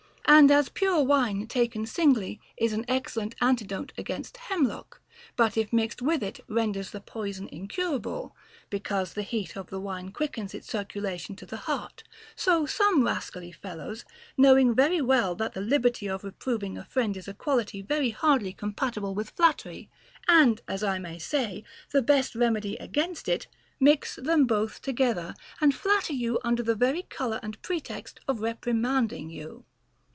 And as pure wine taken singly is an excellent antidote against hemlock, but if mixed with it renders the poison incurable, because the heat of the wine quickens its circulation to the heart ; so some rascally fellows, knowing very well that the liberty of re proving a friend is a quality very hardly compatible with flattery, and, as I may say, the best remedy against it, mix them both together, and flatter you under the very color and pretext of reprimanding you.